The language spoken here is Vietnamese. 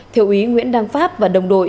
thiếu úy nguyễn đăng pháp và đồng đội